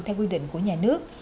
theo quy định của nhà nước